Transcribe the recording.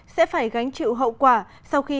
sẽ phải gánh chịu hậu quả sau khi